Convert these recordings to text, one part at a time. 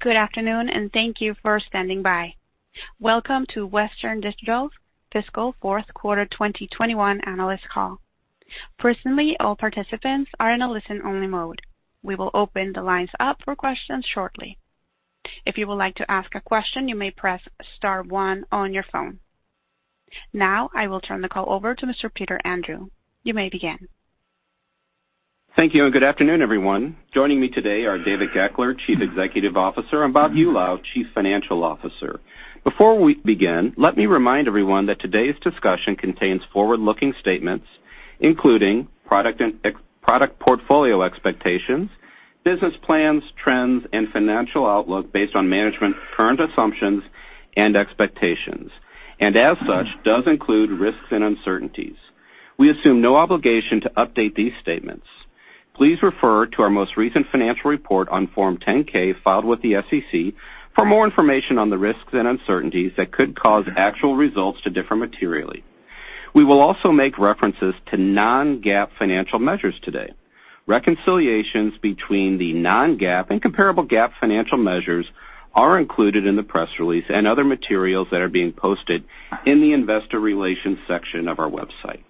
Good afternoon, and thank you for standing by. Welcome to Western Digital's fiscal fourth quarter 2021 analyst call. Now, I will turn the call over to Mr. Peter Andrew. You may begin. Thank you, and good afternoon, everyone. Joining me today are David Goeckeler, Chief Executive Officer, and Bob Eulau, Chief Financial Officer. Before we begin, let me remind everyone that today's discussion contains forward-looking statements, including product portfolio expectations, business plans, trends, and financial outlook based on management's current assumptions and expectations. As such, does include risks and uncertainties. We assume no obligation to update these statements. Please refer to our most recent financial report on Form 10-K filed with the SEC for more information on the risks and uncertainties that could cause actual results to differ materially. We will also make references to non-GAAP financial measures today. Reconciliations between the non-GAAP and comparable GAAP financial measures are included in the press release and other materials that are being posted in the investor relations section of our website.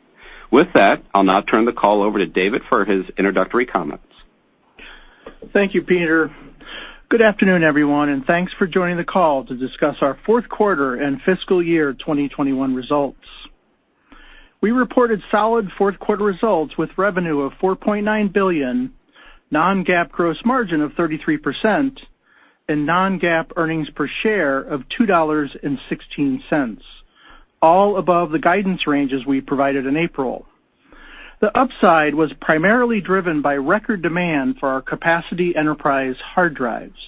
With that, I'll now turn the call over to David for his introductory comments. Thank you, Peter. Good afternoon, everyone, and thanks for joining the call to discuss our fourth-quarter and fiscal year 2021 results. We reported solid fourth-quarter results with revenue of $4.9 billion, non-GAAP gross margin of 33%, and non-GAAP earnings per share of $2.16, all above the guidance ranges we provided in April. The upside was primarily driven by record demand for our capacity enterprise hard drives.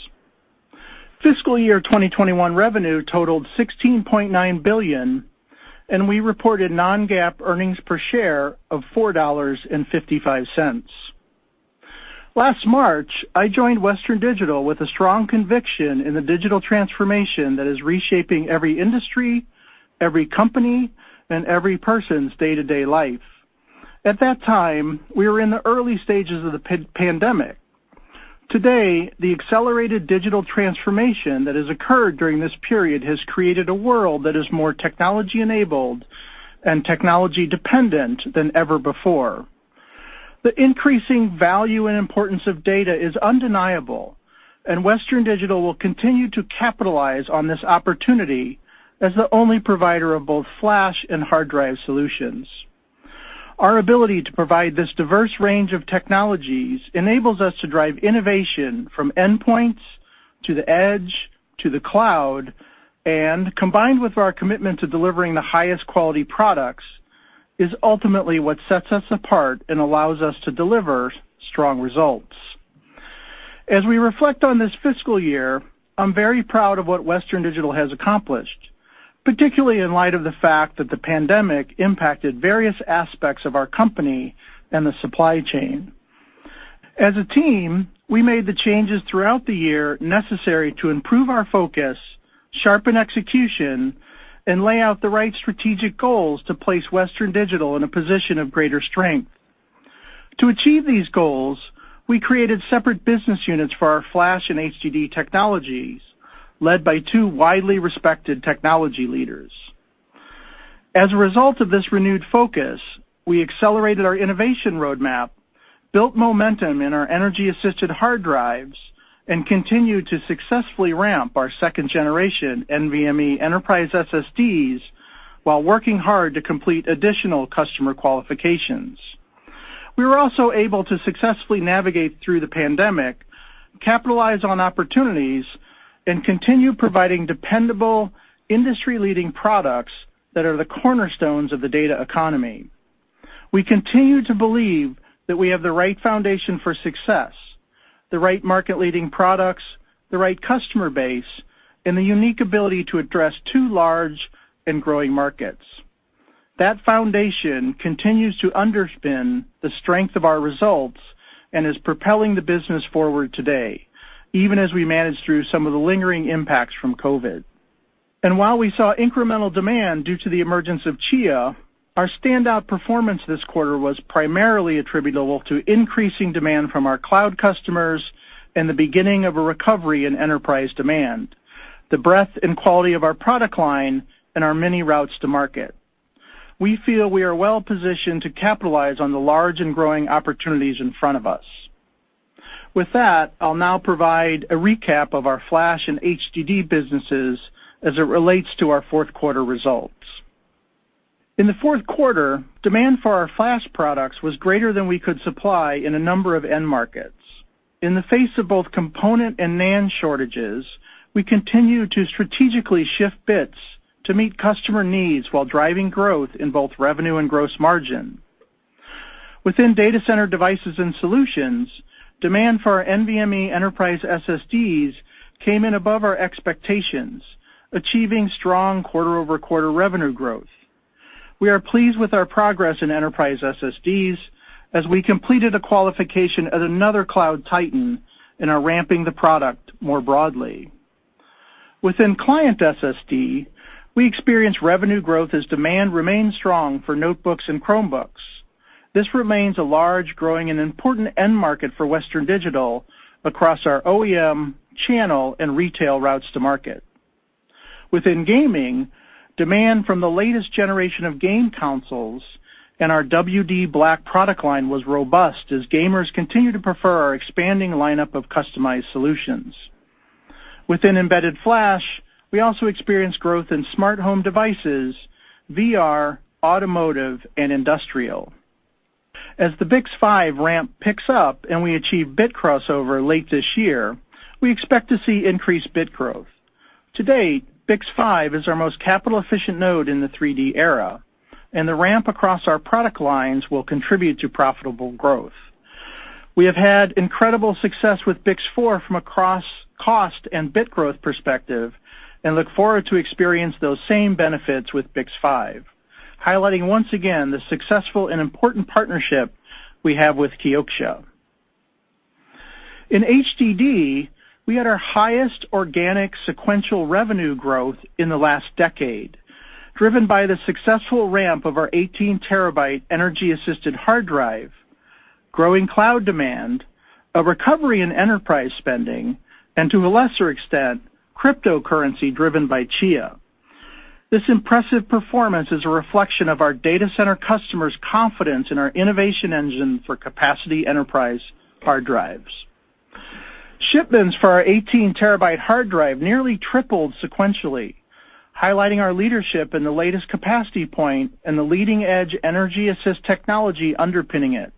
Fiscal year 2021 revenue totaled $16.9 billion, and we reported non-GAAP earnings per share of $4.55. Last March, I joined Western Digital with a strong conviction in the digital transformation that is reshaping every industry, every company, and every person's day-to-day life. At that time, we were in the early stages of the pandemic. Today, the accelerated digital transformation that has occurred during this period has created a world that is more technology-enabled and technology-dependent than ever before. The increasing value and importance of data is undeniable. Western Digital will continue to capitalize on this opportunity as the only provider of both flash and hard drive solutions. Our ability to provide this diverse range of technologies enables us to drive innovation from endpoints to the edge, to the cloud, and combined with our commitment to delivering the highest quality products, is ultimately what sets us apart and allows us to deliver strong results. As we reflect on this fiscal year, I'm very proud of what Western Digital has accomplished, particularly in light of the fact that the pandemic impacted various aspects of our company and the supply chain. As a team, we made the changes throughout the year necessary to improve our focus, sharpen execution, and lay out the right strategic goals to place Western Digital in a position of greater strength. To achieve these goals, we created separate business units for our flash and HDD technologies, led by two widely respected technology leaders. As a result of this renewed focus, we accelerated our innovation roadmap, built momentum in our energy-assisted hard drives, and continued to successfully ramp our second-generation NVMe enterprise SSDs while working hard to complete additional customer qualifications. We were also able to successfully navigate through the pandemic, capitalize on opportunities, and continue providing dependable, industry-leading products that are the cornerstones of the data economy. We continue to believe that we have the right foundation for success, the right market-leading products, the right customer base, and the unique ability to address two large and growing markets. That foundation continues to underpin the strength of our results and is propelling the business forward today, even as we manage through some of the lingering impacts from COVID. While we saw incremental demand due to the emergence of Chia, our standout performance this quarter was primarily attributable to increasing demand from our cloud customers and the beginning of a recovery in enterprise demand, the breadth and quality of our product line, and our many routes to market. We feel we are well-positioned to capitalize on the large and growing opportunities in front of us. With that, I'll now provide a recap of our flash and HDD businesses as it relates to our fourth quarter results. In the fourth quarter, demand for our flash products was greater than we could supply in a number of end markets. In the face of both component and NAND shortages, we continued to strategically shift bits to meet customer needs while driving growth in both revenue and gross margin. Within data center devices and solutions, demand for our NVMe enterprise SSDs came in above our expectations, achieving strong quarter-over-quarter revenue growth. We are pleased with our progress in enterprise SSDs as we completed a qualification at another cloud titan and are ramping the product more broadly. Within client SSD, we experienced revenue growth as demand remained strong for notebooks and Chromebooks. This remains a large, growing, and important end market for Western Digital across our OEM channel and retail routes to market. Within gaming, demand from the latest generation of game consoles and our WD_BLACK product line was robust as gamers continue to prefer our expanding lineup of customized solutions. Within embedded flash, we also experienced growth in smart home devices, VR, automotive, and industrial. As the BiCS5 ramp picks up and we achieve bit crossover late this year, we expect to see increased bit growth. To date, BiCS5 is our most capital-efficient node in the 3D era, the ramp across our product lines will contribute to profitable growth. We have had incredible success with BiCS4 from a cost and bit growth perspective and look forward to experience those same benefits with BiCS5, highlighting once again the successful and important partnership we have with Kioxia. In HDD, we had our highest organic sequential revenue growth in the last decade, driven by the successful ramp of our 18 TB energy-assisted hard drive, growing cloud demand, a recovery in enterprise spending, and to a lesser extent, cryptocurrency driven by Chia. This impressive performance is a reflection of our data center customers' confidence in our innovation engine for capacity enterprise hard drives. Shipments for our 18 TB hard drive nearly tripled sequentially, highlighting our leadership in the latest capacity point and the leading-edge energy-assist technology underpinning it.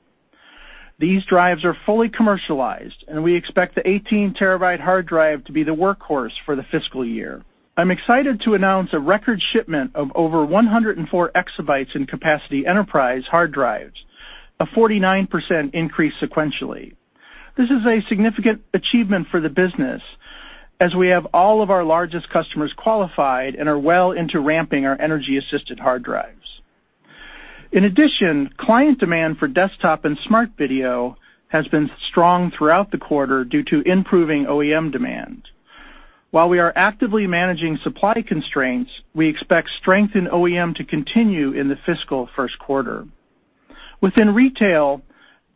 These drives are fully commercialized, and we expect the 18 TB hard drive to be the workhorse for the fiscal year. I'm excited to announce a record shipment of over 104 EB in capacity enterprise hard drives, a 49% increase sequentially. This is a significant achievement for the business, as we have all of our largest customers qualified and are well into ramping our energy-assisted hard drives. In addition, client demand for desktop and smart video has been strong throughout the quarter due to improving OEM demand. While we are actively managing supply constraints, we expect strength in OEM to continue in the fiscal first quarter. Within retail,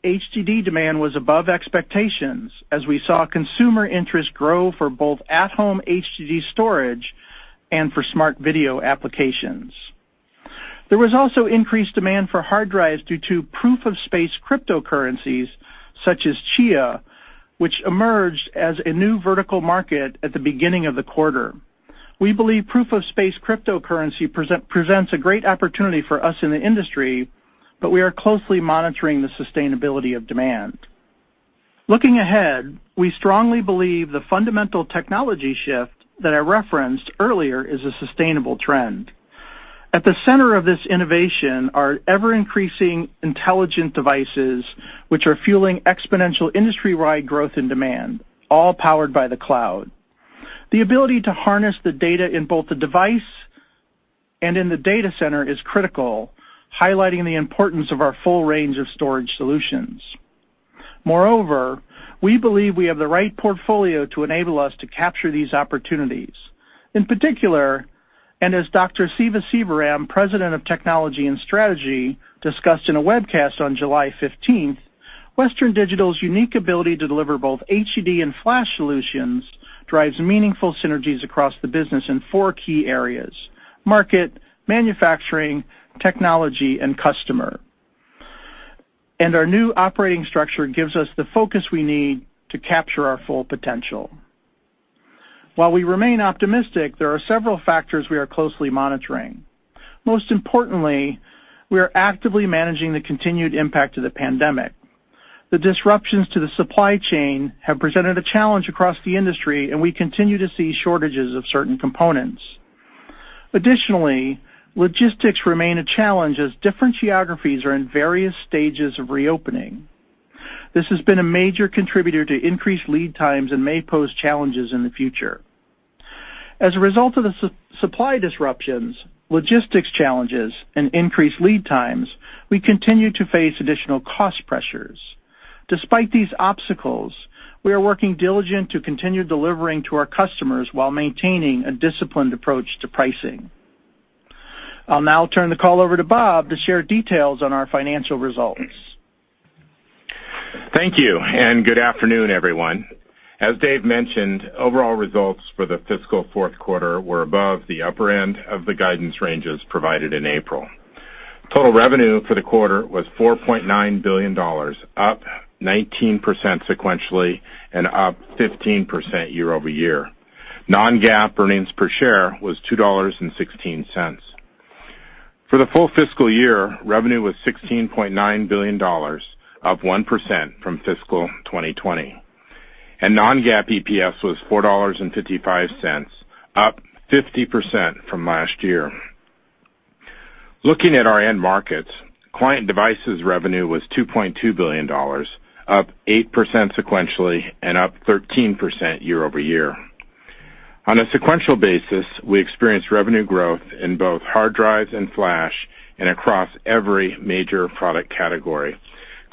HDD demand was above expectations as we saw consumer interest grow for both at-home HDD storage and for smart video applications. There was also increased demand for hard drives due to proof-of-space cryptocurrencies such as Chia, which emerged as a new vertical market at the beginning of the quarter. We believe proof-of-space cryptocurrency presents a great opportunity for us in the industry, but we are closely monitoring the sustainability of demand. Looking ahead, we strongly believe the fundamental technology shift that I referenced earlier is a sustainable trend. At the center of this innovation are ever-increasing intelligent devices, which are fueling exponential industry-wide growth and demand, all powered by the cloud. The ability to harness the data in both the device and in the data center is critical, highlighting the importance of our full range of storage solutions. Moreover, we believe we have the right portfolio to enable us to capture these opportunities. As Dr. Siva Sivaram, President of Technology and Strategy, discussed in a webcast on July 15th, Western Digital's unique ability to deliver both HDD and flash solutions drives meaningful synergies across the business in four key areas: market, manufacturing, technology, and customer. Our new operating structure gives us the focus we need to capture our full potential. While we remain optimistic, there are several factors we are closely monitoring. Most importantly, we are actively managing the continued impact of the pandemic. The disruptions to the supply chain have presented a challenge across the industry, and we continue to see shortages of certain components. Additionally, logistics remain a challenge as different geographies are in various stages of reopening. This has been a major contributor to increased lead times and may pose challenges in the future. As a result of the supply disruptions, logistics challenges, and increased lead times, we continue to face additional cost pressures. Despite these obstacles, we are working diligent to continue delivering to our customers while maintaining a disciplined approach to pricing. I'll now turn the call over to Bob to share details on our financial results. Thank you. Good afternoon, everyone. As Dave mentioned, overall results for the fiscal fourth quarter were above the upper end of the guidance ranges provided in April. Total revenue for the quarter was $4.9 billion, up 19% sequentially and up 15% year-over-year. Non-GAAP earnings per share was $2.16. For the full fiscal year, revenue was $16.9 billion, up 1% from fiscal 2020. Non-GAAP EPS was $4.55, up 50% from last year. Looking at our end markets, client devices revenue was $2.2 billion, up 8% sequentially and up 13% year-over-year. On a sequential basis, we experienced revenue growth in both hard drives and flash and across every major product category.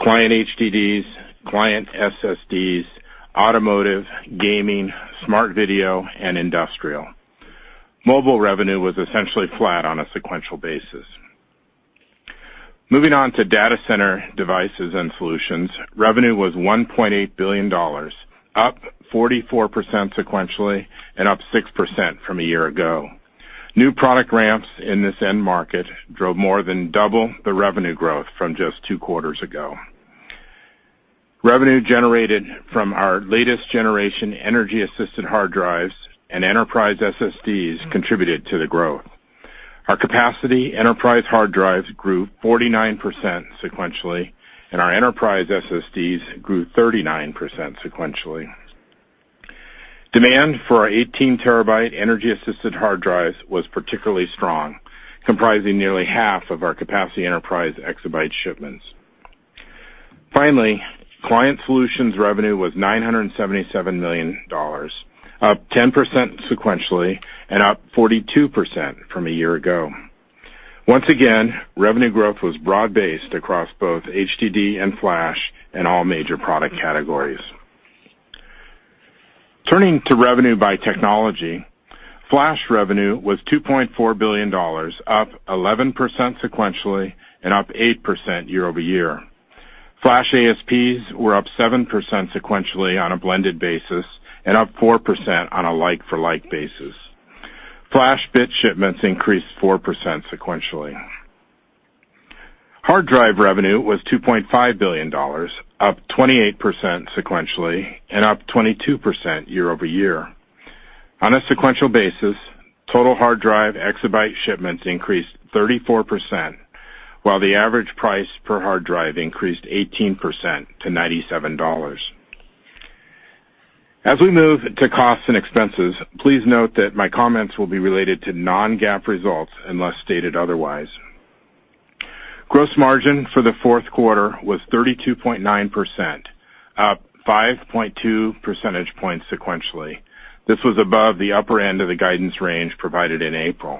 Client HDDs, Client SSDs, automotive, gaming, smart video, and industrial. Mobile revenue was essentially flat on a sequential basis. Moving on to data center devices and solutions, revenue was $1.8 billion, up 44% sequentially and up 6% from a year ago. New product ramps in this end market drove more than double the revenue growth from just two quarters ago. Revenue generated from our latest generation energy-assisted hard drives and enterprise SSDs contributed to the growth. Our capacity enterprise hard drives grew 49% sequentially, and our enterprise SSDs grew 39% sequentially. Demand for our 18 TB energy-assisted hard drives was particularly strong, comprising nearly half of our capacity enterprise exabyte shipments. Finally, client solutions revenue was $977 million, up 10% sequentially and up 42% from a year ago. Once again, revenue growth was broad-based across both HDD and flash and all major product categories. Turning to revenue by technology, flash revenue was $2.4 billion, up 11% sequentially and up 8% year-over-year. Flash ASPs were up 7% sequentially on a blended basis and up 4% on a like-for-like basis. Flash bit shipments increased 4% sequentially. Hard drive revenue was $2.5 billion, up 28% sequentially and up 22% year-over-year. On a sequential basis, total hard drive exabyte shipments increased 34%, while the average price per hard drive increased 18% to $97. As we move to costs and expenses, please note that my comments will be related to non-GAAP results unless stated otherwise. Gross margin for the fourth quarter was 32.9%, up 5.2 percentage points sequentially. This was above the upper end of the guidance range provided in April.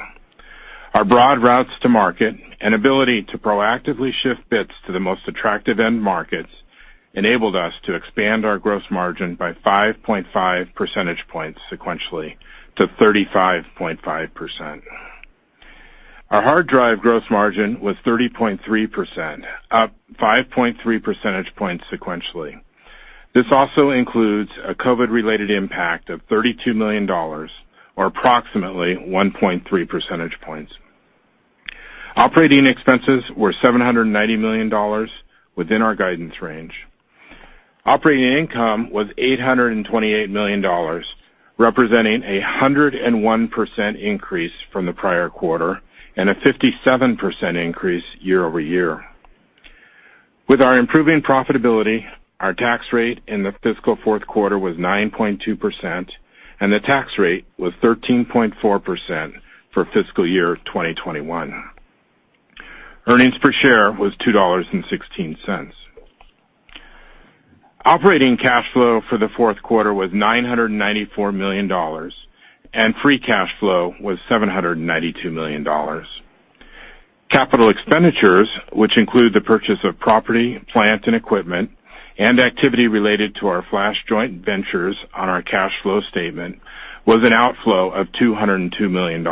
Our broad routes to market and ability to proactively shift bits to the most attractive end markets enabled us to expand our gross margin by 5.5 percentage points sequentially to 35.5%. Our hard drive gross margin was 30.3%, up 5.3 percentage points sequentially. This also includes a COVID-related impact of $32 million, or approximately 1.3 percentage points. Operating expenses were $790 million within our guidance range. Operating income was $828 million, representing a 101% increase from the prior quarter and a 57% increase year-over-year. With our improving profitability, our tax rate in the fiscal fourth quarter was 9.2%, and the tax rate was 13.4% for fiscal year 2021. Earnings per share was $2.16. Operating cash flow for the fourth quarter was $994 million, and free cash flow was $792 million. Capital expenditures, which include the purchase of property, plant, and equipment and activity related to our flash joint ventures on our cash flow statement, was an outflow of $202 million.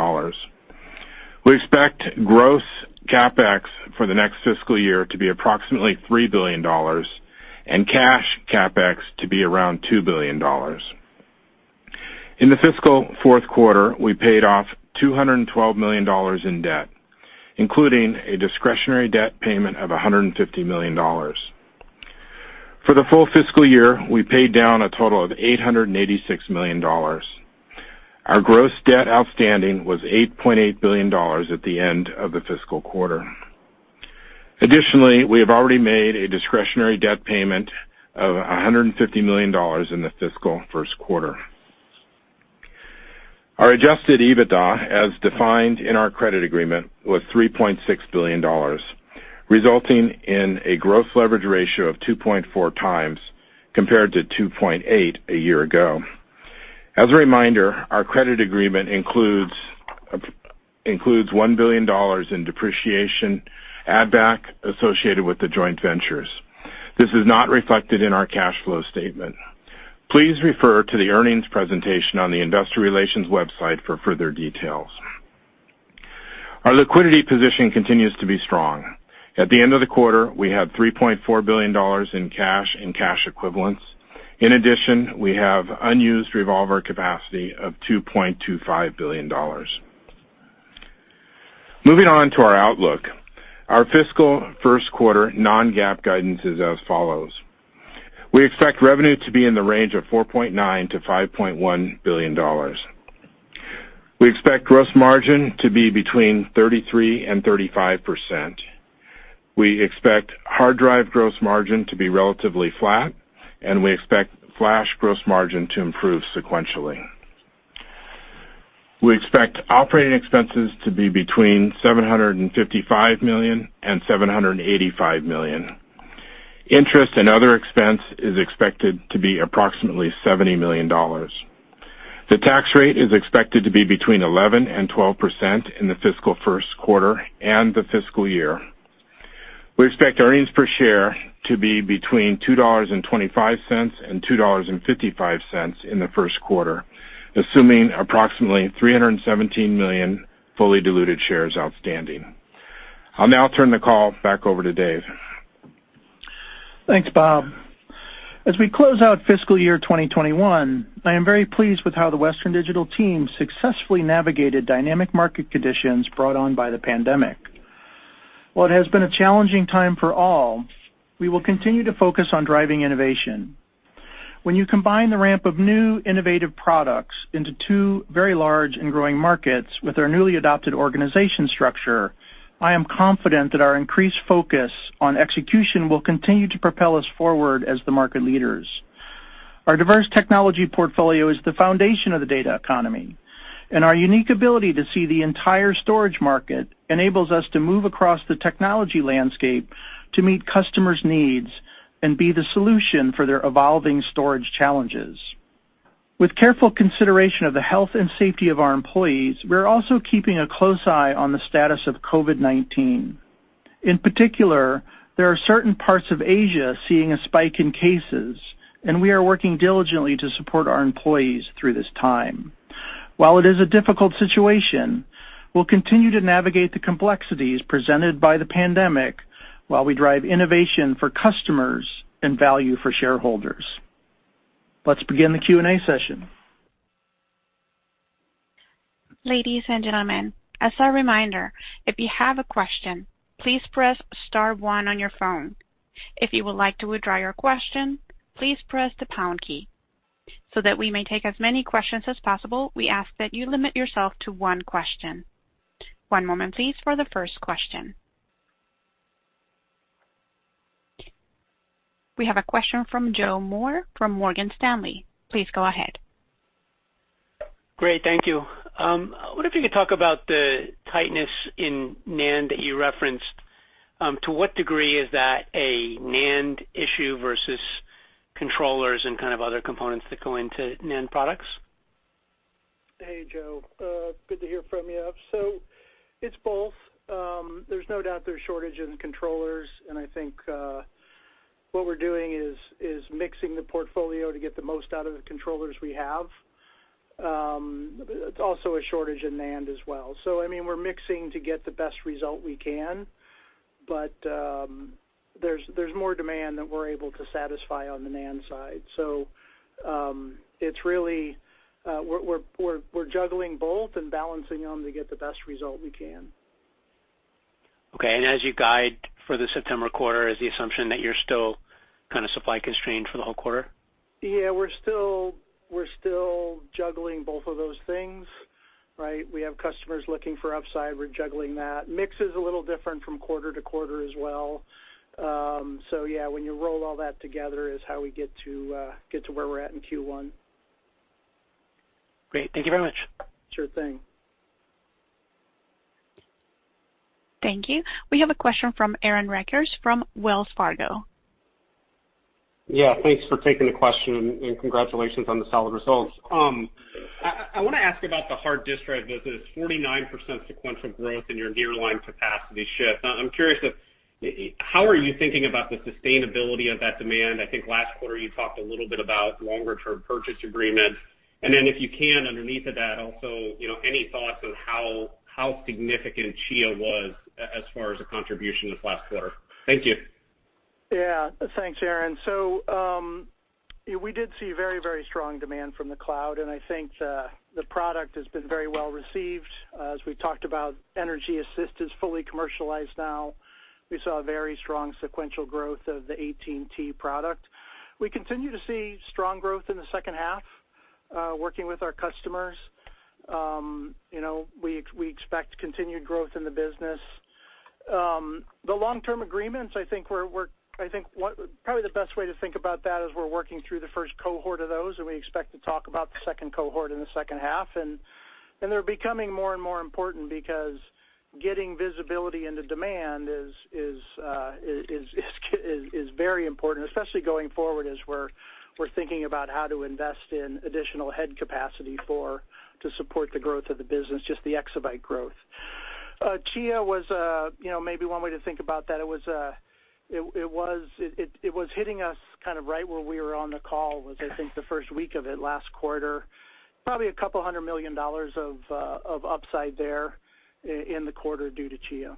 We expect gross CapEx for the next fiscal year to be approximately $3 billion and cash CapEx to be around $2 billion. In the fiscal fourth quarter, we paid off $212 million in debt, including a discretionary debt payment of $150 million. For the full fiscal year, we paid down a total of $886 million. Our gross debt outstanding was $8.8 billion at the end of the fiscal quarter. Additionally, we have already made a discretionary debt payment of $150 million in the fiscal first quarter. Our adjusted EBITDA, as defined in our credit agreement, was $3.6 billion, resulting in a gross leverage ratio of 2.4x, compared to 2.8x a year ago. As a reminder, our credit agreement includes $1 billion in depreciation add-back associated with the joint ventures. This is not reflected in our cash flow statement. Please refer to the earnings presentation on the investor relations website for further details. Our liquidity position continues to be strong. At the end of the quarter, we had $3.4 billion in cash and cash equivalents. In addition, we have unused revolver capacity of $2.25 billion. Moving on to our outlook. Our fiscal first quarter non-GAAP guidance is as follows. We expect revenue to be in the range of $4.9 billion-$5.1 billion. We expect gross margin to be between 33% and 35%. We expect hard drive gross margin to be relatively flat, and we expect flash gross margin to improve sequentially. We expect operating expenses to be between $755 million and $785 million. Interest and other expense is expected to be approximately $70 million. The tax rate is expected to be between 11% and 12% in the fiscal first quarter and the fiscal year. We expect earnings per share to be between $2.25 and $2.55 in the first quarter, assuming approximately 317 million fully diluted shares outstanding. I'll now turn the call back over to Dave. Thanks, Bob. As we close out fiscal year 2021, I am very pleased with how the Western Digital team successfully navigated dynamic market conditions brought on by the pandemic. While it has been a challenging time for all, we will continue to focus on driving innovation. When you combine the ramp of new innovative products into two very large and growing markets with our newly adopted organization structure, I am confident that our increased focus on execution will continue to propel us forward as the market leaders. Our diverse technology portfolio is the foundation of the data economy, and our unique ability to see the entire storage market enables us to move across the technology landscape to meet customers' needs and be the solution for their evolving storage challenges. With careful consideration of the health and safety of our employees, we're also keeping a close eye on the status of COVID-19. In particular, there are certain parts of Asia seeing a spike in cases, and we are working diligently to support our employees through this time. While it is a difficult situation, we'll continue to navigate the complexities presented by the pandemic while we drive innovation for customers and value for shareholders. Let's begin the Q&A session. Ladies and gentlemen, as a reminder, if you have a question, please press star one on your phone. If you would like to withdraw your question, please press the pound key. So that we may take as many questions as possible, we ask that you limit yourself to one question. One moment, please, for the first question. We have a question from Joe Moore from Morgan Stanley. Please go ahead. Great. Thank you. I wonder if you could talk about the tightness in NAND that you referenced. To what degree is that a NAND issue versus controllers and kind of other components that go into NAND products? Hey, Joe. Good to hear from you. It's both. There's no doubt there's shortage in controllers, and I think what we're doing is mixing the portfolio to get the most out of the controllers we have. There's also a shortage in NAND as well. We're mixing to get the best result we can, but there's more demand than we're able to satisfy on the NAND side. We're juggling both and balancing them to get the best result we can. Okay. As you guide for the September quarter, is the assumption that you're still kind of supply constrained for the whole quarter? Yeah, we're still juggling both of those things, right? We have customers looking for upside. We're juggling that. Mix is a little different from quarter-to-quarter as well. When you roll all that together is how we get to where we're at in Q1. Great. Thank you very much. Sure thing. Thank you. We have a question from Aaron Rakers from Wells Fargo. Yeah. Thanks for taking the question, and congratulations on the solid results. I want to ask about the hard disk drive business, 49% sequential growth in your nearline capacity ship. I'm curious of how are you thinking about the sustainability of that demand? I think last quarter you talked a little bit about longer-term purchase agreements, and then if you can, underneath of that also, any thoughts on how significant Chia was as far as the contribution this last quarter? Thank you. Thanks, Aaron. We did see very strong demand from the cloud, and I think the product has been very well received. As we've talked about, energy assist is fully commercialized now. We saw very strong sequential growth of the 18T product. We continue to see strong growth in the second half, working with our customers. We expect continued growth in the business. The long-term agreements, I think probably the best way to think about that is we're working through the first cohort of those. We expect to talk about the second cohort in the second half. They're becoming more and more important because getting visibility into demand is very important, especially going forward as we're thinking about how to invest in additional head capacity to support the growth of the business, just the exabyte growth. Chia was, maybe one way to think about that, it was hitting us kind of right where we were on the call, I think the first week of it last quarter. Probably a $200 million of upside there in the quarter due to Chia.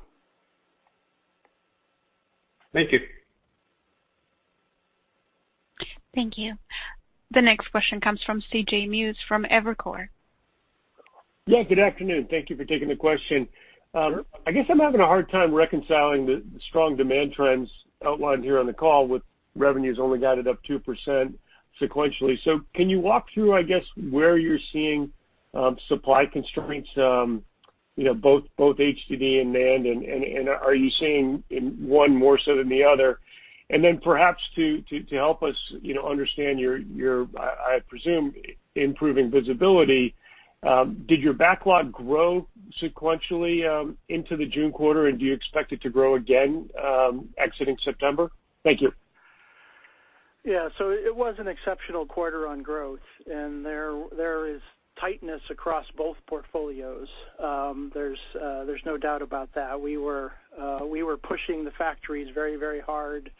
Thank you. Thank you. The next question comes from CJ Muse from Evercore. Yeah. Good afternoon. Thank you for taking the question. Sure. I guess I'm having a hard time reconciling the strong demand trends outlined here on the call with revenues only guided up 2% sequentially. Can you walk through, I guess, where you're seeing supply constraints, both HDD and NAND, are you seeing in one more so than the other? Then perhaps to help us understand your, I presume, improving visibility, did your backlog grow sequentially into the June quarter, and do you expect it to grow again exiting September? Thank you. Yeah. It was an exceptional quarter on growth, and there is tightness across both portfolios. There's no doubt about that. We were pushing the factories very hard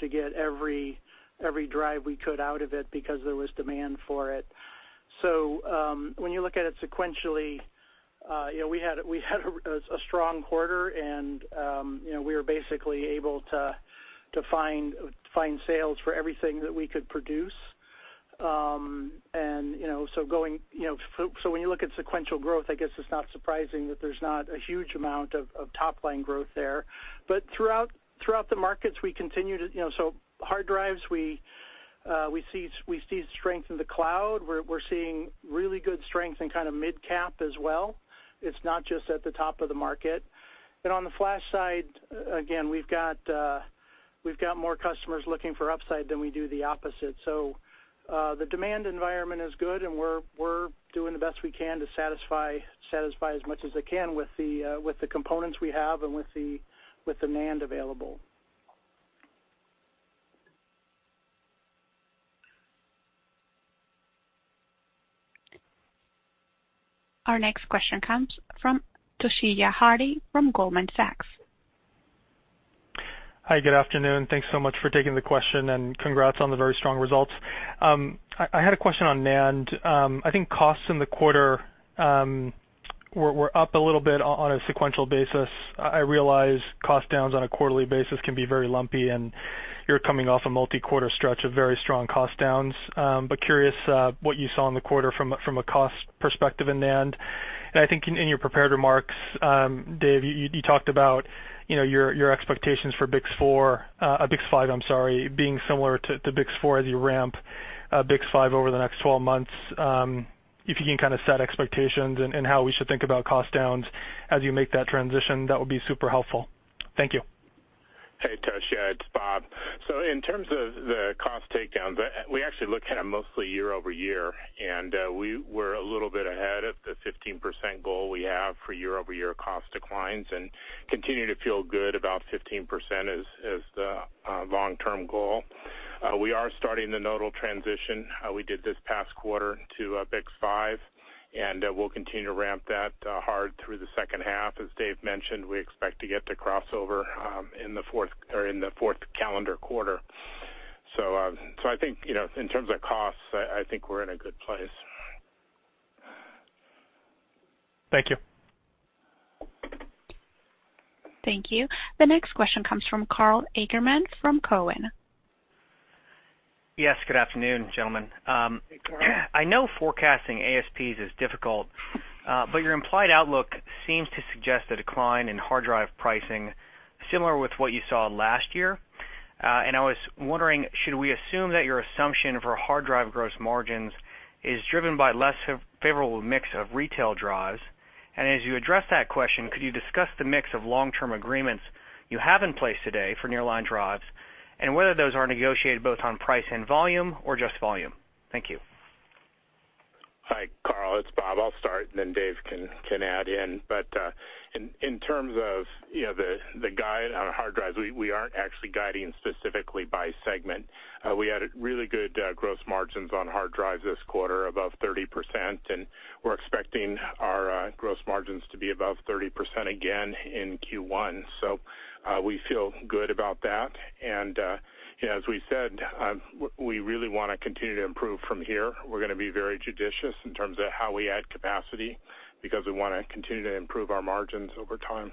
to get every drive we could out of it because there was demand for it. When you look at it sequentially, we had a strong quarter, and we were basically able to find sales for everything that we could produce. When you look at sequential growth, I guess it's not surprising that there's not a huge amount of top-line growth there. Throughout the markets, hard drives, we see strength in the cloud. We're seeing really good strength in mid-cap as well. It's not just at the top of the market. On the flash side, again, we've got more customers looking for upside than we do the opposite. The demand environment is good, and we're doing the best we can to satisfy as much as they can with the components we have and with the NAND available. Our next question comes from Toshiya Hari from Goldman Sachs. Hi, good afternoon. Thanks so much for taking the question, and congrats on the very strong results. I had a question on NAND. I think costs in the quarter were up a little bit on a sequential basis. I realize cost downs on a quarterly basis can be very lumpy, and you're coming off a multi-quarter stretch of very strong cost downs. Curious what you saw in the quarter from a cost perspective in NAND. I think in your prepared remarks, Dave, you talked about your expectations for BiCS5, I'm sorry, being similar to BiCS4 as you ramp BiCS5 over the next 12 months. If you can set expectations and how we should think about cost downs as you make that transition, that would be super helpful. Thank you. Hey, Toshiya, it's Bob. In terms of the cost takedowns, we actually look at them mostly year-over-year, we were a little bit ahead of the 15% goal we have for year-over-year cost declines and continue to feel good about 15% as the long-term goal. We are starting the nodal transition. We did this past quarter to BiCS5, we'll continue to ramp that hard through the second half. As Dave mentioned, we expect to get to crossover in the fourth calendar quarter. I think in terms of costs, I think we're in a good place. Thank you. Thank you. The next question comes from Karl Ackerman from Cowen. Yes, good afternoon, gentlemen. Hey, Karl. I know forecasting ASPs is difficult, your implied outlook seems to suggest a decline in hard drive pricing similar with what you saw last year. I was wondering, should we assume that your assumption for hard drive gross margins is driven by less favorable mix of retail drives? As you address that question, could you discuss the mix of long-term agreements you have in place today for nearline drives, and whether those are negotiated both on price and volume or just volume? Thank you. Hi, Karl. It's Bob. I'll start and then Dave can add in. In terms of the guide on hard drives, we aren't actually guiding specifically by segment. We had really good gross margins on hard drives this quarter, above 30%, and we're expecting our gross margins to be above 30% again in Q1. We feel good about that. As we said, we really want to continue to improve from here. We're going to be very judicious in terms of how we add capacity because we want to continue to improve our margins over time.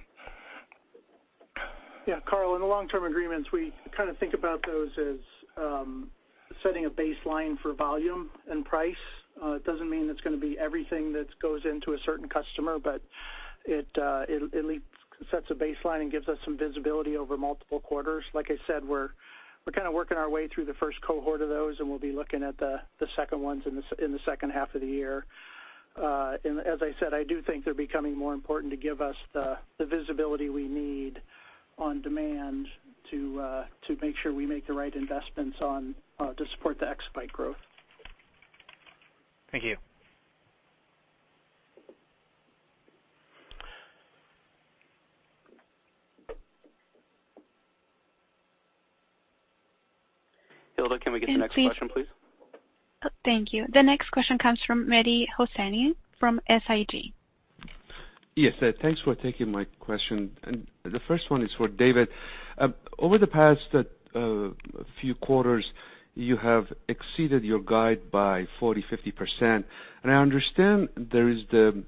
Yeah, Karl, in the long-term agreements, we think about those as setting a baseline for volume and price. It doesn't mean it's going to be everything that goes into a certain customer, but it sets a baseline and gives us some visibility over multiple quarters. Like I said, we're kind of working our way through the first cohort of those, and we'll be looking at the second ones in the second half of the year. As I said, I do think they're becoming more important to give us the visibility we need on demand to make sure we make the right investments to support the exabyte growth. Thank you. Hilda, can we get the next question, please? Thank you. The next question comes from Mehdi Hosseini from SIG. Yes, thanks for taking my question. The first one is for David. Over the past few quarters, you have exceeded your guide by 40%, 50%. I understand there is the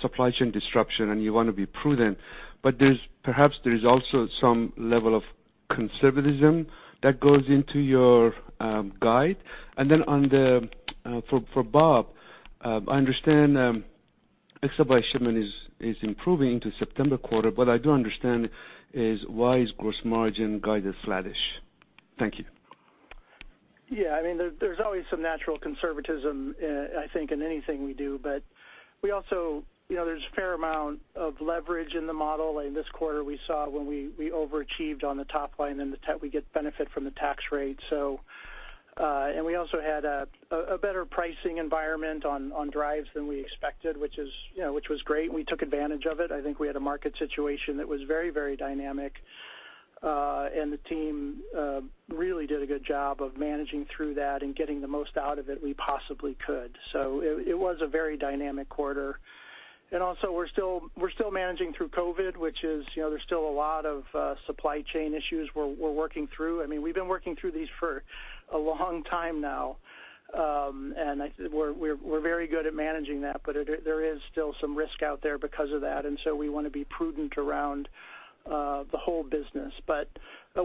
supply chain disruption, and you want to be prudent, but perhaps there is also some level of conservatism that goes into your guide. For Bob, I understand exabyte shipment is improving into September quarter, but I do understand is why is gross margin guided flattish? Thank you. Yeah, there's always some natural conservatism, I think, in anything we do, but there's a fair amount of leverage in the model. In this quarter, we saw when we overachieved on the top line, and we get benefit from the tax rate. We also had a better pricing environment on drives than we expected, which was great. We took advantage of it. I think we had a market situation that was very dynamic, and the team really did a good job of managing through that and getting the most out of it we possibly could. It was a very dynamic quarter. Also, we're still managing through COVID, which there's still a lot of supply chain issues we're working through. We've been working through these for a long time now. I think we're very good at managing that, but there is still some risk out there because of that, and so we want to be prudent around the whole business.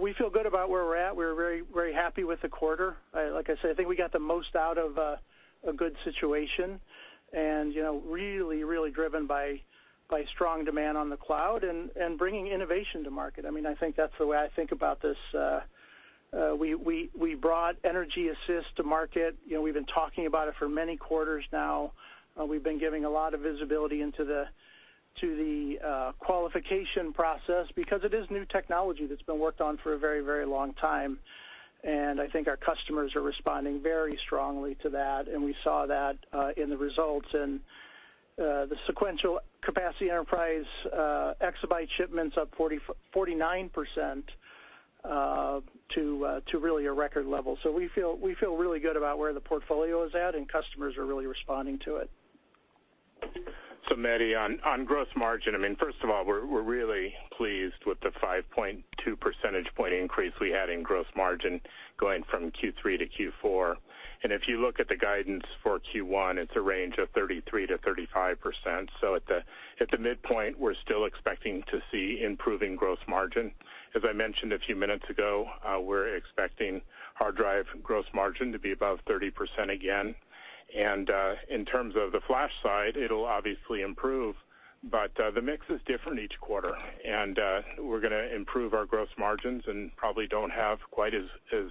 We feel good about where we're at. We're very happy with the quarter. Like I said, I think we got the most out of a good situation and really driven by strong demand on the cloud and bringing innovation to market. I think that's the way I think about this. We brought energy assist to market. We've been talking about it for many quarters now. We've been giving a lot of visibility into the qualification process because it is new technology that's been worked on for a very long time. I think our customers are responding very strongly to that, and we saw that in the results. The sequential capacity enterprise exabyte shipments up 49% to really a record level. We feel really good about where the portfolio is at, and customers are really responding to it. Mehdi, on gross margin, first of all, we're really pleased with the 5.2 percentage point increase we had in gross margin going from Q3 to Q4. If you look at the guidance for Q1, it's a range of 33%-35%. At the midpoint, we're still expecting to see improving gross margin. As I mentioned a few minutes ago, we're expecting hard drive gross margin to be above 30% again. In terms of the flash side, it'll obviously improve, but the mix is different each quarter, and we're going to improve our gross margins and probably don't have quite as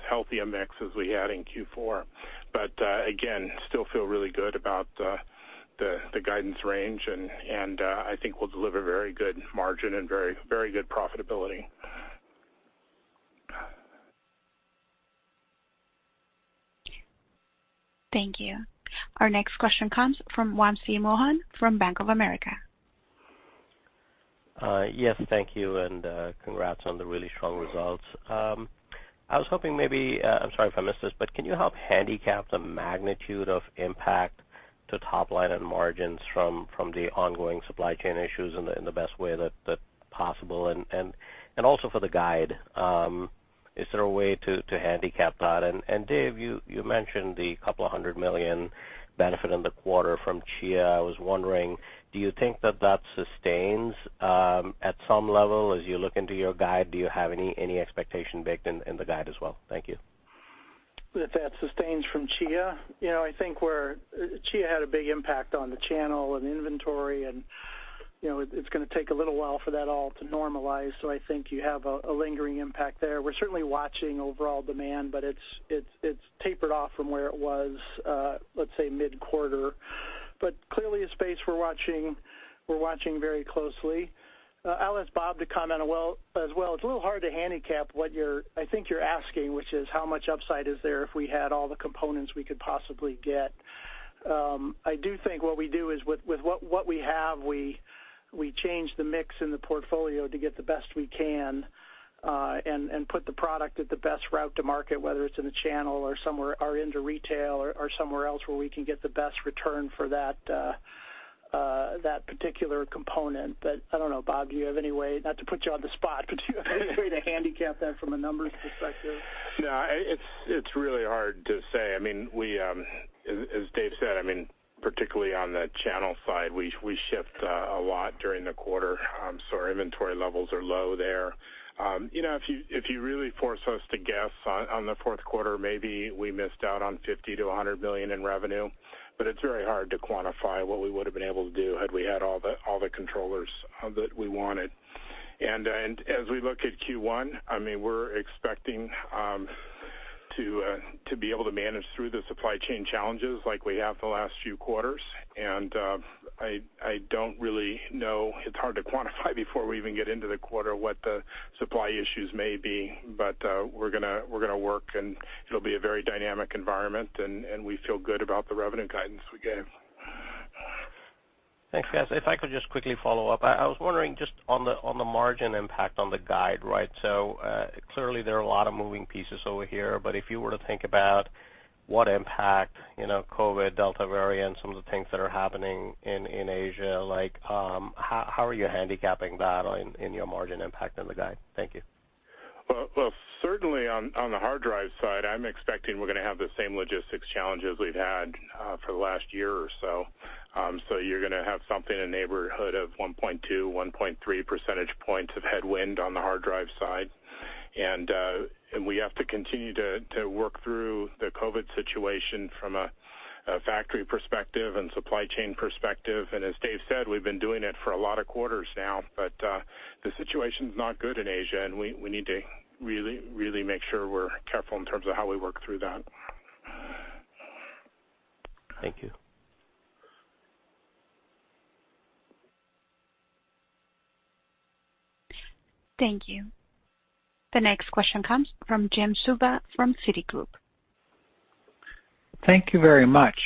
healthy a mix as we had in Q4. Again, still feel really good about the guidance range, and I think we'll deliver very good margin and very good profitability. Thank you. Our next question comes from Wamsi Mohan from Bank of America. Yes, thank you. Congrats on the really strong results. I was hoping maybe, I'm sorry if I missed this, but can you help handicap the magnitude of impact to top line and margins from the ongoing supply chain issues in the best way that's possible? Also for the guide, is there a way to handicap that? Dave, you mentioned the $200 million benefit in the quarter from Chia. I was wondering, do you think that that sustains at some level as you look into your guide? Do you have any expectation baked in the guide as well? Thank you. That that sustains from Chia? I think Chia had a big impact on the channel and inventory, and it's going to take a little while for that all to normalize. I think you have a lingering impact there. We're certainly watching overall demand, but it's tapered off from where it was, let's say mid-quarter. Clearly a space we're watching very closely. I'll ask Bob to comment as well. It's a little hard to handicap what I think you're asking, which is how much upside is there if we had all the components we could possibly get. I do think what we do is with what we have, we change the mix in the portfolio to get the best we can, and put the product at the best route to market, whether it's in the channel or into retail or somewhere else where we can get the best return for that particular component. I don't know, Bob, do you have any way, not to put you on the spot, but do you have any way to handicap that from a numbers perspective? No, it's really hard to say. As Dave said, particularly on the channel side, we shift a lot during the quarter, so our inventory levels are low there. If you really force us to guess on the fourth quarter, maybe we missed out on $50 million-$100 million in revenue, but it's very hard to quantify what we would have been able to do had we had all the controllers that we wanted. As we look at Q1, we're expecting to be able to manage through the supply chain challenges like we have the last few quarters. I don't really know. It's hard to quantify before we even get into the quarter what the supply issues may be. We're going to work, and it'll be a very dynamic environment, and we feel good about the revenue guidance we gave. Thanks, guys. If I could just quickly follow up, I was wondering just on the margin impact on the guide. Clearly there are a lot of moving pieces over here, but if you were to think about what impact COVID, Delta variant, some of the things that are happening in Asia, how are you handicapping that in your margin impact on the guide? Thank you. Well, certainly on the hard drive side, I'm expecting we're going to have the same logistics challenges we've had for the last year or so. You're going to have something in the neighborhood of 1.2, 1.3 percentage points of headwind on the hard drive side. We have to continue to work through the COVID situation from a factory perspective and supply chain perspective. As Dave said, we've been doing it for a lot of quarters now. The situation's not good in Asia, and we need to really make sure we're careful in terms of how we work through that. Thank you. Thank you. The next question comes from Jim Suva from Citigroup. Thank you very much.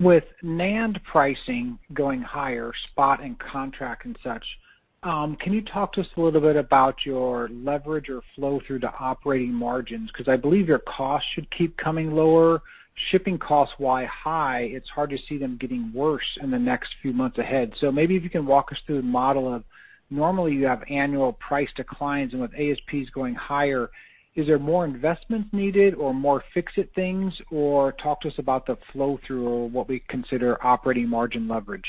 With NAND pricing going higher, spot and contract and such, can you talk to us a little bit about your leverage or flow through the operating margins? I believe your costs should keep coming lower. Shipping costs, while high, it's hard to see them getting worse in the next few months ahead. Maybe if you can walk us through the model of, normally you have annual price declines, and with ASPs going higher, is there more investment needed or more fix-it things? Talk to us about the flow through, or what we consider operating margin leverage.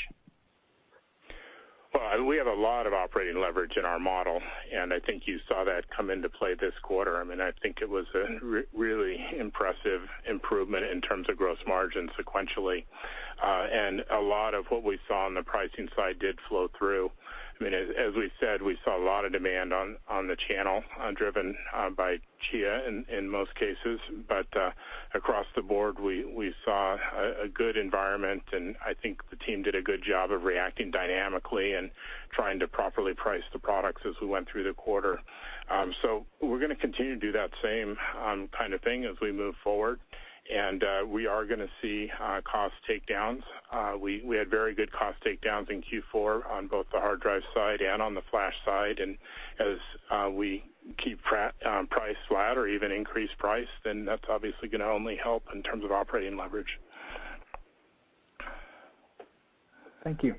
Well, we have a lot of operating leverage in our model. I think you saw that come into play this quarter. I think it was a really impressive improvement in terms of gross margin sequentially. A lot of what we saw on the pricing side did flow through. As we said, we saw a lot of demand on the channel, driven by Chia in most cases. Across the board, we saw a good environment. I think the team did a good job of reacting dynamically and trying to properly price the products as we went through the quarter. We're going to continue to do that same kind of thing as we move forward. We are going to see cost takedowns. We had very good cost takedowns in Q4 on both the hard drive side and on the flash side. As we keep price flat or even increase price, then that's obviously going to only help in terms of operating leverage. Thank you.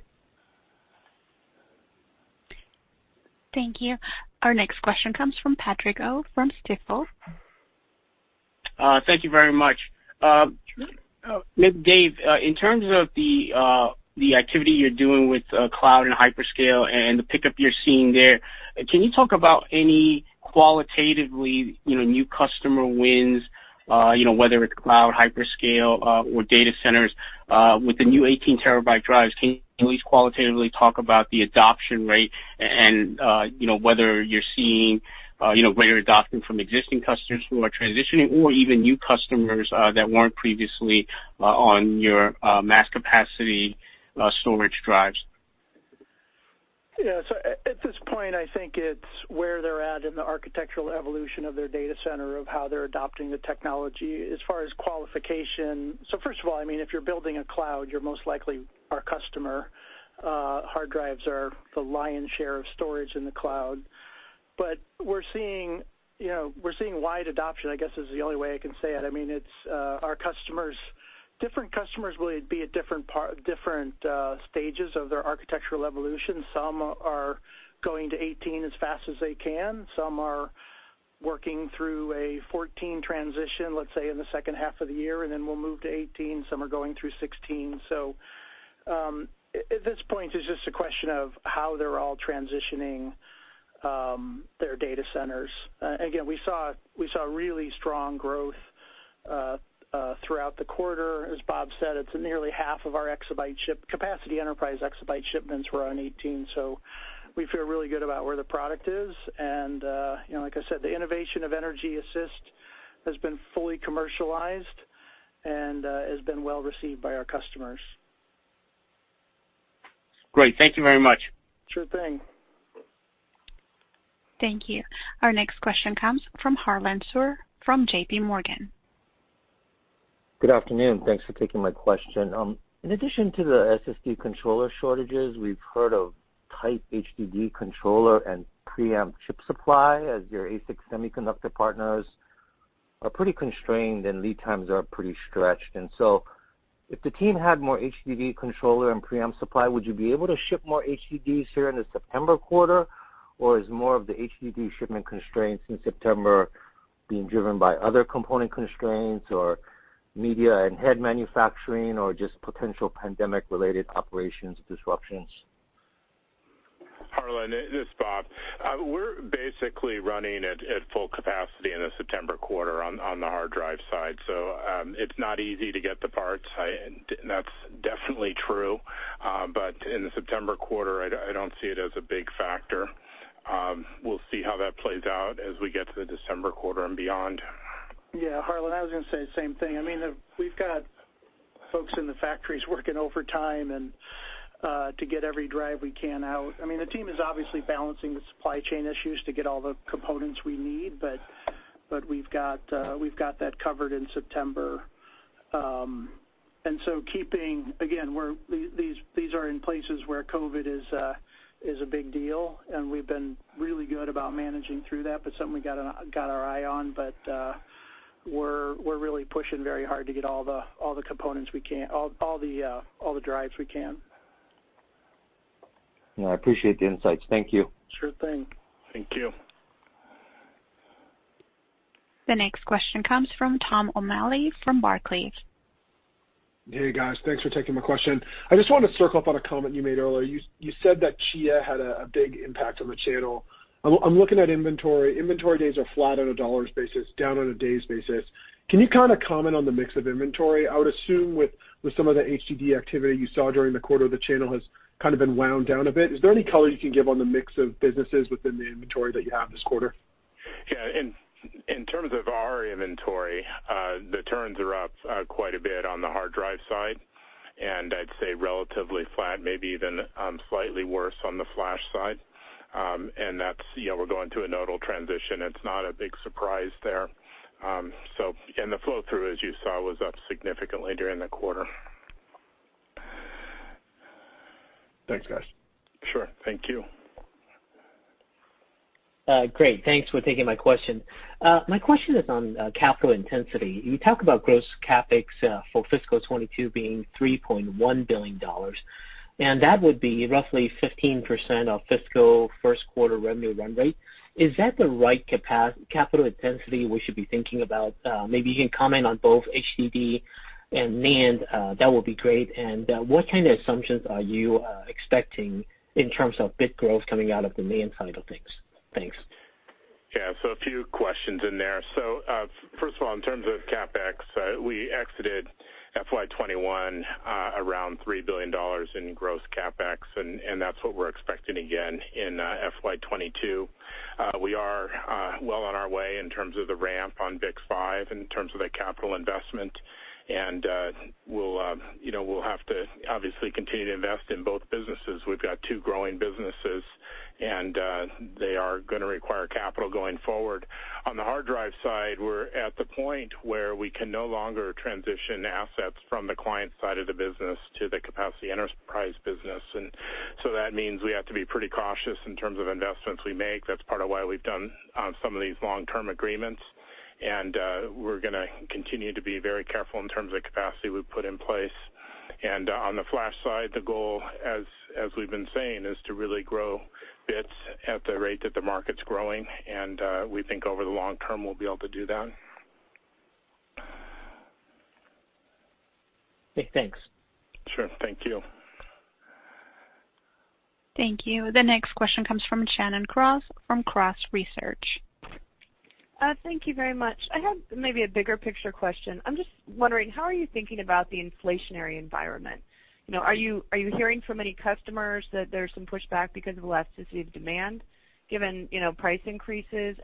Thank you. Our next question comes from Patrick Ho from Stifel. Thank you very much. Dave, in terms of the activity you're doing with cloud and hyperscale and the pickup you're seeing there, can you talk about any qualitatively new customer wins, whether it's cloud, hyperscale, or data centers? With the new 18 TB drives, can you at least qualitatively talk about the adoption rate and whether you're seeing greater adoption from existing customers who are transitioning or even new customers that weren't previously on your mass capacity storage drives? Yeah. At this point, I think it's where they're at in the architectural evolution of their data center, of how they're adopting the technology as far as qualification. First of all, if you're building a cloud, you're most likely our customer. Hard drives are the lion's share of storage in the cloud. We're seeing wide adoption, I guess, is the only way I can say it. Different customers will be at different stages of their architectural evolution. Some are going to 18 as fast as they can. Some are working through a 14 transition, let's say, in the second half of the year, and then will move to 18. Some are going through 16. At this point, it's just a question of how they're all transitioning their data centers. Again, we saw really strong growth throughout the quarter. As Bob said, it's nearly half of our capacity enterprise exabyte shipments were on 18. We feel really good about where the product is. Like I said, the innovation of energy assist has been fully commercialized and has been well received by our customers. Great. Thank you very much. Sure thing. Thank you. Our next question comes from Harlan Sur from JPMorgan. Good afternoon. Thanks for taking my question. In addition to the SSD controller shortages, we've heard of tight HDD controller and preamp chip supply as your ASIC semiconductor partners are pretty constrained and lead times are pretty stretched. If the team had more HDD controller and preamp supply, would you be able to ship more HDDs here in the September quarter? Is more of the HDD shipment constraints in September being driven by other component constraints or media and head manufacturing, or just potential pandemic-related operations disruptions? Harlan, this is Bob. We're basically running at full capacity in the September quarter on the hard drive side. It's not easy to get the parts. That's definitely true. In the September quarter, I don't see it as a big factor. We'll see how that plays out as we get to the December quarter and beyond. Harlan, I was going to say the same thing. We've got folks in the factories working overtime to get every drive we can out. The team is obviously balancing the supply chain issues to get all the components we need, but we've got that covered in September. Again, these are in places where COVID is a big deal, and we've been really good about managing through that, but something we got our eye on. We're really pushing very hard to get all the drives we can. Yeah, I appreciate the insights. Thank you. Sure thing. Thank you. The next question comes from Tom O'Malley from Barclays. Hey, guys. Thanks for taking my question. I just wanted to circle up on a comment you made earlier. You said that Chia had a big impact on the channel. I'm looking at inventory. Inventory days are flat on a dollars basis, down on a days basis. Can you comment on the mix of inventory? I would assume with some of the HDD activity you saw during the quarter, the channel has kind of been wound down a bit. Is there any color you can give on the mix of businesses within the inventory that you have this quarter? Yeah. In terms of our inventory, the turns are up quite a bit on the hard drive side, and I'd say relatively flat, maybe even slightly worse on the flash side. We're going through a nodal transition. It's not a big surprise there. The flow-through, as you saw, was up significantly during the quarter. Thanks, guys. Sure. Thank you. Great. Thanks for taking my question. My question is on capital intensity. You talk about gross CapEx for fiscal 2022 being $3.1 billion, and that would be roughly 15% of fiscal first quarter revenue run rate. Is that the right capital intensity we should be thinking about? Maybe you can comment on both HDD and NAND. That would be great. What kind of assumptions are you expecting in terms of bit growth coming out of the NAND side of things? Thanks. Yeah. A few questions in there. First of all, in terms of CapEx, we exited FY 2021 around $3 billion in gross CapEx, and that's what we're expecting again in FY 2022. We are well on our way in terms of the ramp on BiCS5 in terms of the capital investment. We'll have to obviously continue to invest in both businesses. We've got two growing businesses, and they are going to require capital going forward. On the hard drive side, we're at the point where we can no longer transition assets from the client side of the business to the capacity enterprise business. That means we have to be pretty cautious in terms of investments we make. That's part of why we've done some of these long-term agreements, and we're going to continue to be very careful in terms of the capacity we put in place. On the flash side, the goal, as we've been saying, is to really grow bits at the rate that the market's growing, and we think over the long term, we'll be able to do that. Okay, thanks. Sure. Thank you. Thank you. The next question comes from Shannon Cross from Cross Research. Thank you very much. I have maybe a bigger picture question. I'm just wondering, how are you thinking about the inflationary environment? Are you hearing from any customers that there's some pushback because of the elasticity of demand given price increases?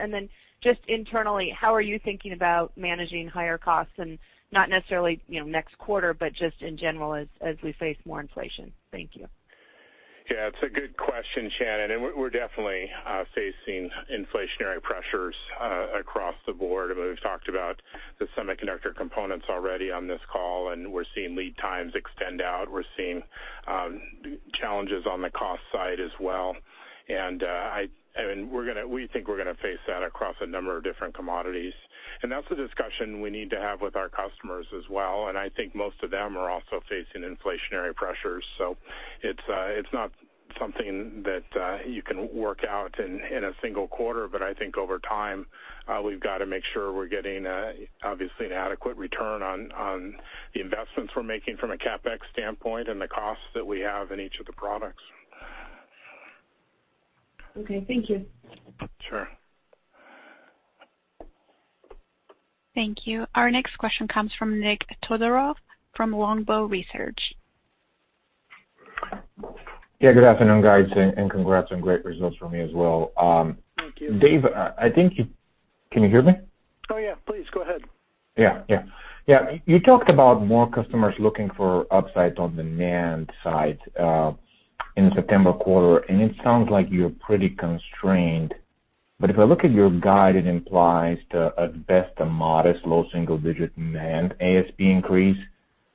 Just internally, how are you thinking about managing higher costs and not necessarily next quarter, but just in general as we face more inflation? Thank you. Yeah, it's a good question, Shannon. We're definitely facing inflationary pressures across the board. I mean, we've talked about the semiconductor components already on this call, and we're seeing lead times extend out. We're seeing challenges on the cost side as well, and we think we're going to face that across a number of different commodities. That's a discussion we need to have with our customers as well, and I think most of them are also facing inflationary pressures. It's not something that you can work out in a single quarter, but I think over time, we've got to make sure we're getting obviously an adequate return on the investments we're making from a CapEx standpoint and the costs that we have in each of the products. Okay, thank you. Sure. Thank you. Our next question comes from Nick Todorov from Longbow Research. Good afternoon, guys, and congrats on great results from you as well. Thank you. Dave, I think can you hear me? Oh, yeah. Please go ahead. Yeah. You talked about more customers looking for upsides on the NAND side in the September quarter, and it sounds like you're pretty constrained. If I look at your guide, it implies at best a modest low single-digit NAND ASP increase.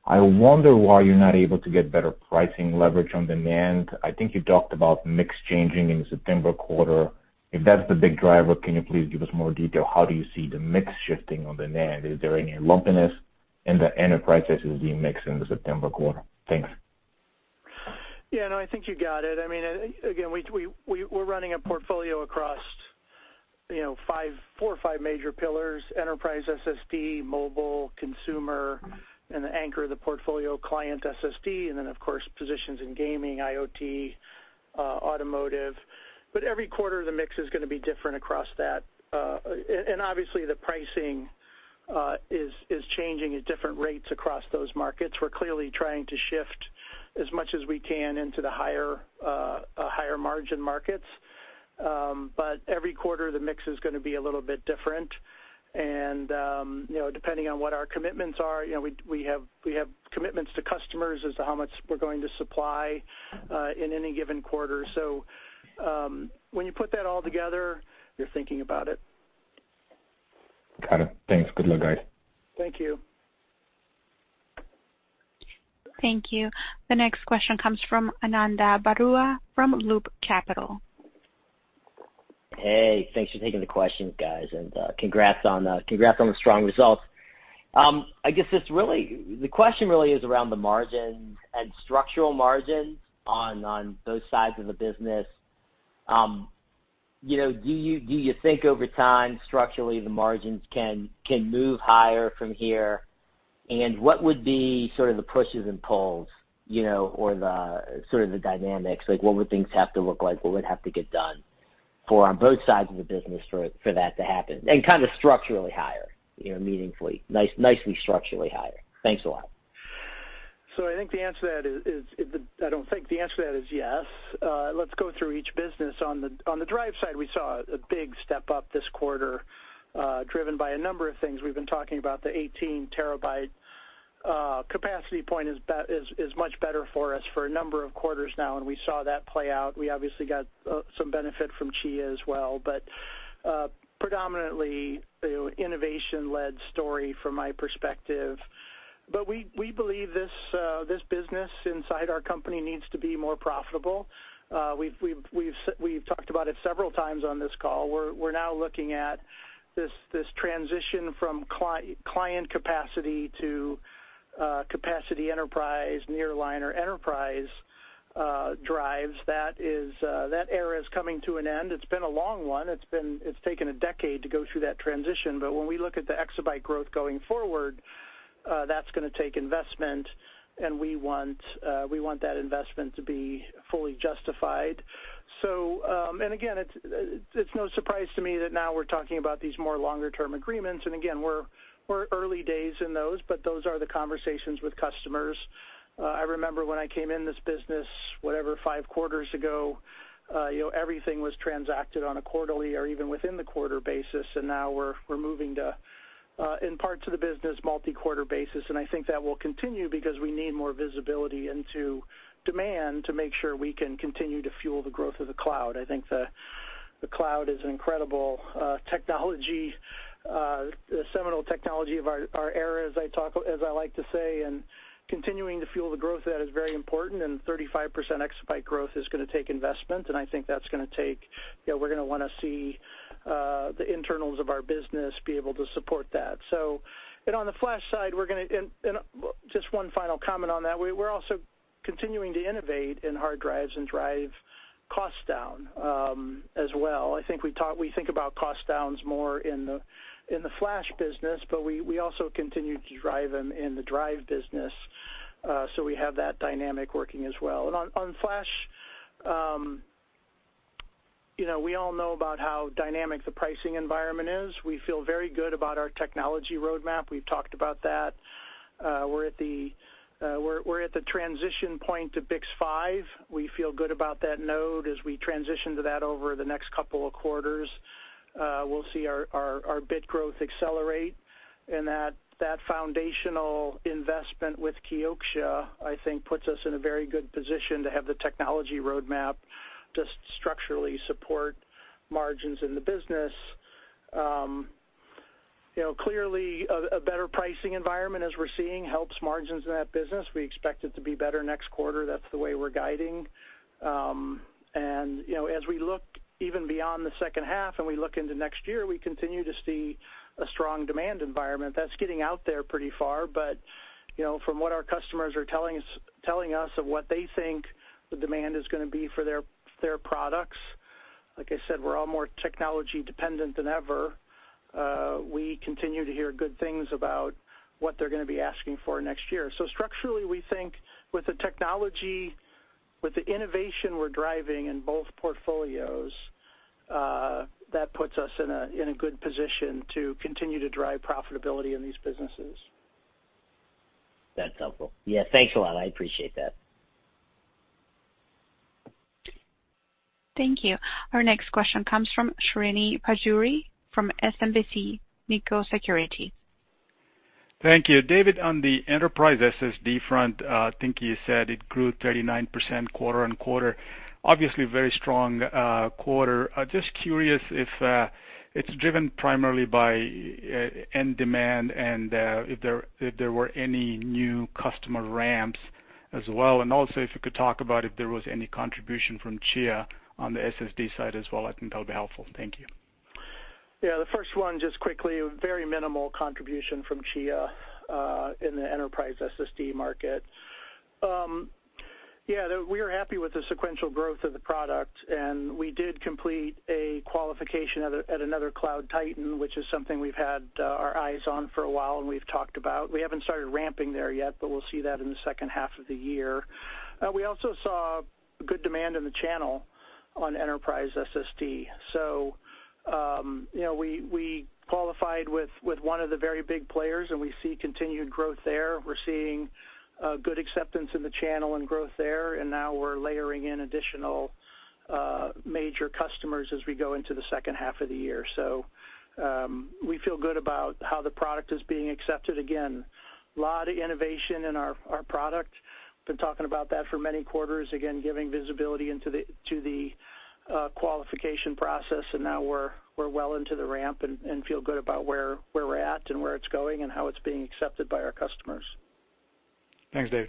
I wonder why you're not able to get better pricing leverage on demand. I think you talked about mix changing in the September quarter. If that's the big driver, can you please give us more detail? How do you see the mix shifting on the NAND? Is there any lumpiness in the enterprise SSD mix in the September quarter? Thanks. Yeah, no, I think you got it. Again, we're running a portfolio across four or five major pillars, enterprise SSD, mobile, consumer, and the anchor of the portfolio, client SSD, then of course, positions in gaming, IoT, automotive. Every quarter, the mix is going to be different across that. Obviously, the pricing is changing at different rates across those markets. We're clearly trying to shift as much as we can into the higher margin markets. Every quarter, the mix is going to be a little bit different. Depending on what our commitments are, we have commitments to customers as to how much we're going to supply in any given quarter. When you put that all together, you're thinking about it. Got it. Thanks. Good luck, guys. Thank you. Thank you. The next question comes from Ananda Baruah from Loop Capital. Hey, thanks for taking the question, guys, and congrats on the strong results. I guess the question really is around the margins and structural margins on both sides of the business. Do you think over time, structurally, the margins can move higher from here? What would be sort of the pushes and pulls or the sort of the dynamics? What would things have to look like? What would have to get done for on both sides of the business for that to happen, kind of structurally higher, meaningfully, nicely structurally higher? Thanks a lot. I think the answer to that is yes. Let's go through each business. On the drive side, we saw a big step up this quarter, driven by a number of things. We've been talking about the 18 TB capacity point is much better for us for a number of quarters now, and we saw that play out. We obviously got some benefit from Chia as well, predominantly innovation-led story from my perspective. We believe this business inside our company needs to be more profitable. We've talked about it several times on this call. We're now looking at this transition from client capacity to capacity enterprise, nearline or enterprise drives. That era is coming to an end. It's been a long one. It's taken a decade to go through that transition, but when we look at the exabyte growth going forward, that's going to take investment, and we want that investment to be fully justified. Again, it's no surprise to me that now we're talking about these more longer-term agreements, and again, we're early days in those, but those are the conversations with customers. I remember when I came in this business, whatever, five quarters ago, everything was transacted on a quarterly or even within the quarter basis, and now we're moving to, in parts of the business, multi-quarter basis, and I think that will continue because we need more visibility into demand to make sure we can continue to fuel the growth of the cloud. I think the cloud is an incredible technology, the seminal technology of our era, as I like to say. Continuing to fuel the growth of that is very important. 35% exabyte growth is going to take investment. I think that's going to take, we're going to want to see the internals of our business be able to support that. On the flash side, just one final comment on that. We're also continuing to innovate in hard drives and drive costs down as well. I think we think about cost downs more in the flash business, we also continue to drive them in the drive business. We have that dynamic working as well. On flash, we all know about how dynamic the pricing environment is. We feel very good about our technology roadmap. We've talked about that. We're at the transition point to BiCS5. We feel good about that node as we transition to that over the next couple of quarters. We'll see our bit growth accelerate. That foundational investment with Kioxia, I think, puts us in a very good position to have the technology roadmap to structurally support margins in the business. Clearly, a better pricing environment as we're seeing helps margins in that business. We expect it to be better next quarter. That's the way we're guiding. As we look even beyond the second half and we look into next year, we continue to see a strong demand environment. That's getting out there pretty far. From what our customers are telling us of what they think the demand is going to be for their products, like I said, we're all more technology dependent than ever. We continue to hear good things about what they're going to be asking for next year. Structurally, we think with the technology, with the innovation we're driving in both portfolios, that puts us in a good position to continue to drive profitability in these businesses. That's helpful. Yeah, thanks a lot. I appreciate that. Thank you. Our next question comes from Srini Pajjuri from SMBC Nikko Securities. Thank you. David, on the enterprise SSD front, I think you said it grew 39% quarter-on-quarter. Obviously very strong quarter. Just curious if it's driven primarily by end demand and if there were any new customer ramps as well, and also if you could talk about if there was any contribution from Chia on the SSD side as well, I think that would be helpful. Thank you. The first one, just quickly, very minimal contribution from Chia in the enterprise SSD market. We are happy with the sequential growth of the product and we did complete a qualification at another cloud titan, which is something we've had our eyes on for a while and we've talked about. We haven't started ramping there yet, but we'll see that in the second half of the year. We also saw good demand in the channel on enterprise SSD. We qualified with one of the very big players and we see continued growth there. We're seeing good acceptance in the channel and growth there, and now we're layering in additional major customers as we go into the second half of the year. We feel good about how the product is being accepted. Again, a lot of innovation in our product. Been talking about that for many quarters, again, giving visibility into the qualification process, and now we're well into the ramp and feel good about where we're at and where it's going and how it's being accepted by our customers. Thanks, Dave.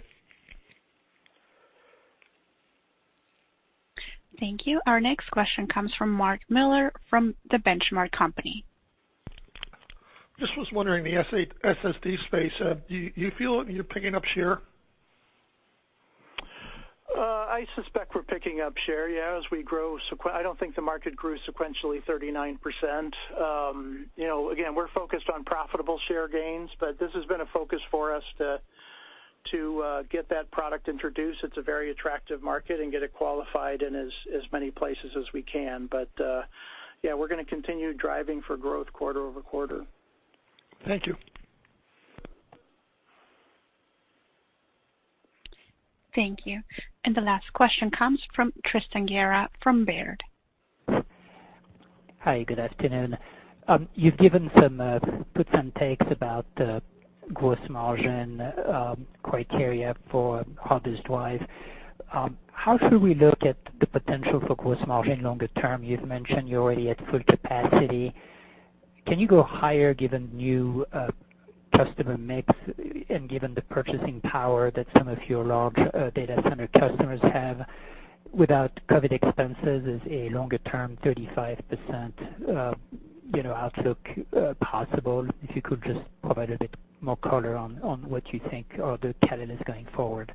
Thank you. Our next question comes from Mark Miller from The Benchmark Company. Just was wondering, the SSD space, do you feel you're picking up share? I suspect we're picking up share, yeah, as we grow. I don't think the market grew sequentially 39%. We're focused on profitable share gains. This has been a focus for us to get that product introduced, it's a very attractive market, and get it qualified in as many places as we can. Yeah, we're going to continue driving for growth quarter-over-quarter. Thank you. Thank you. The last question comes from Tristan Gerra from Baird. Hi, good afternoon. You've given some puts and takes about the gross margin criteria for hard drive. How should we look at the potential for gross margin longer term? You've mentioned you're already at full capacity. Can you go higher given new customer mix and given the purchasing power that some of your large data center customers have without COVID expenses as a longer-term 35% outlook possible? If you could just provide a bit more color on what you think are the catalysts going forward.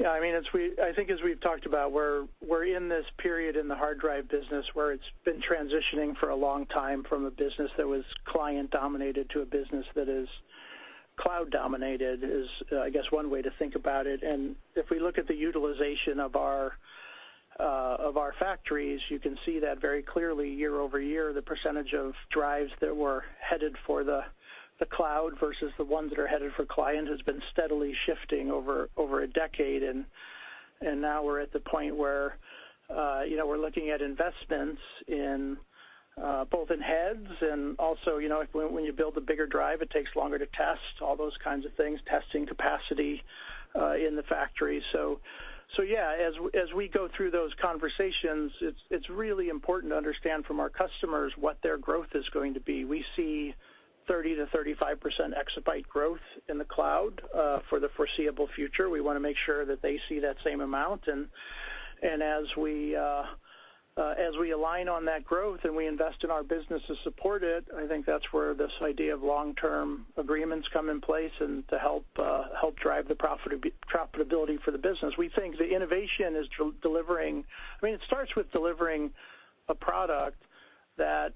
Yeah, I think as we've talked about, we're in this period in the hard drive business where it's been transitioning for a long time from a business that was client-dominated to a business that is cloud-dominated, is, I guess one way to think about it. If we look at the utilization of our factories, you can see that very clearly year-over-year, the percentage of drives that were headed for the cloud versus the ones that are headed for client has been steadily shifting over a decade. Now we're at the point where we're looking at investments both in heads and also when you build a bigger drive, it takes longer to test all those kinds of things, testing capacity in the factory. Yeah, as we go through those conversations, it's really important to understand from our customers what their growth is going to be. We see 30%-35% exabyte growth in the cloud for the foreseeable future. We want to make sure that they see that same amount. As we align on that growth and we invest in our business to support it, I think that's where this idea of long-term agreements come in place and to help drive the profitability for the business. We think the innovation is delivering. It starts with delivering a product that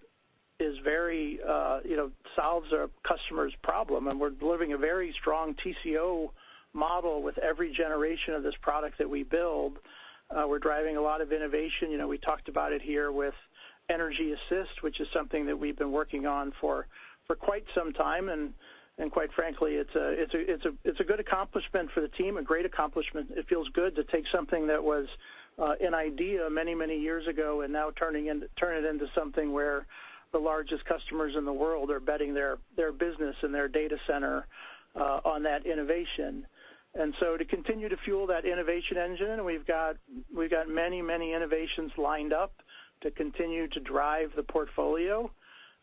solves a customer's problem, and we're delivering a very strong TCO model with every generation of this product that we build. We're driving a lot of innovation. We talked about it here with energy assist, which is something that we've been working on for quite some time, and quite frankly, it's a good accomplishment for the team, a great accomplishment. It feels good to take something that was an idea many years ago and now turn it into something where the largest customers in the world are betting their business and their data center on that innovation. To continue to fuel that innovation engine, we've got many innovations lined up to continue to drive the portfolio,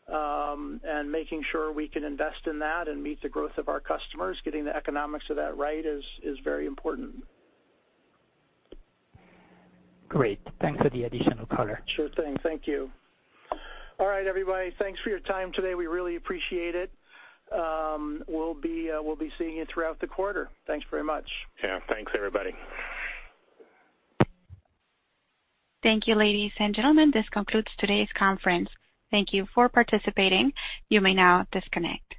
and making sure we can invest in that and meet the growth of our customers. Getting the economics of that right is very important. Great. Thanks for the additional color. Sure thing. Thank you. All right, everybody. Thanks for your time today. We really appreciate it. We'll be seeing you throughout the quarter. Thanks very much. Yeah. Thanks, everybody. Thank you, ladies and gentlemen. This concludes today's conference. Thank you for participating. You may now disconnect.